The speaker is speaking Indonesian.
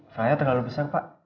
file nya terlalu besar pak